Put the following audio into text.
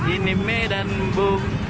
ini medan bu